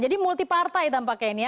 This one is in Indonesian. jadi multi partai tampaknya ini ya